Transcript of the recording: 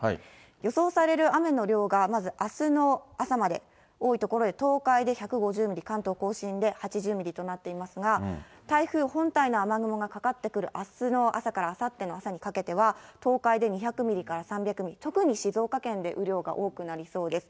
予想される雨の量が、まずあすの朝まで、多い所で東海で１５０ミリ、関東甲信で８０ミリとなっていますが、台風本体の雨雲がかかってくるあすの朝からあさっての朝にかけては、東海で２００ミリから３００ミリ、特に静岡県で雨量が多くなりそうです。